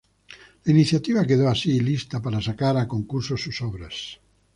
La iniciativa quedó así lista para sacar a concurso sus obras.